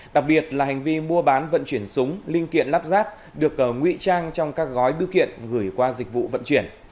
đặc biệt là hành vi mua bán vận chuyển súng linh kiện lắp ráp được nguy trang trong các gói bưu kiện gửi qua dịch vụ vận chuyển